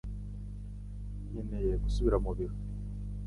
Nkeneye gusubira mu biro